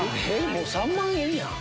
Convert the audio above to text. もう３万円やん。